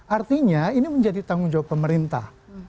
artinya ini menjadi tanggung jawab pemerintah